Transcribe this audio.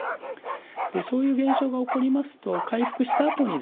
でそういう現象が起こりますと回復したあとにですね